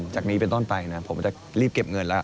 จากนี้เป็นต้นไปนะผมจะรีบเก็บเงินแล้ว